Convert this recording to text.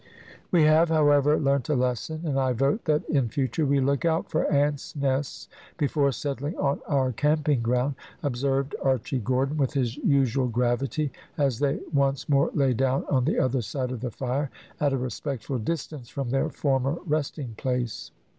"We have, however, learnt a lesson, and I vote that in future we look out for ants' nests, before settling on our camping ground," observed Archy Gordon, with his usual gravity, as they once more lay down on the other side of the fire, at a respectful distance from their former resting place.